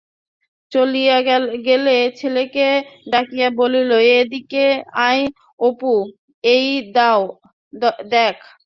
চলিয়া গেলে ছেলেকে ডাকিয়া বলিল, এদিকে আয় অপু-এই দ্যাখ!